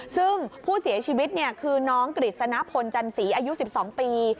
ซึ่งผู้เสียชีวิตคือน้องกฤษณพลจันสีอายุ๑๒ปี